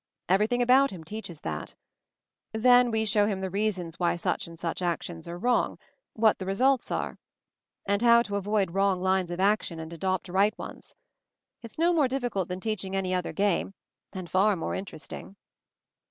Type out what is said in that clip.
Everything about him teaches that. Then we show him the reasons why such and such actions are wrong, what the results are ; how 262 MOVING THE MOUNTAIN to avoid wrong lines of action and adopt right ones. It's no more difficult than teach ing any other game, and far more interest mg.